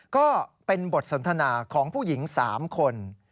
ก็เป็นบทสนทนาของผู้หญิง๓คน